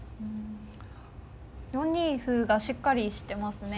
４二歩がしっかりしてますね。